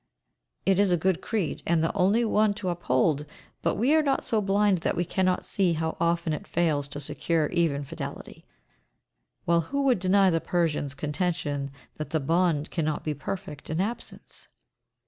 It is a good creed, and the only one to uphold, but we are not so blind that we cannot see how often it fails to secure even fidelity; while who would deny the Persian's contention that the bond cannot be perfect in absence?